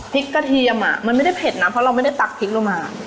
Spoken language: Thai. กระเทียมมันไม่ได้เผ็ดนะเพราะเราไม่ได้ตักพริกลงมา